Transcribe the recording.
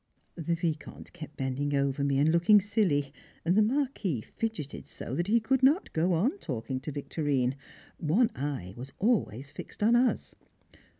The Vicomte kept bending over me and looking silly, and the Marquis fidgeted so that he could not go on talking to Victorine one eye was always fixed on us.